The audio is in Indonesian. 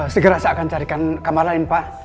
segera saya akan carikan kamar lain pak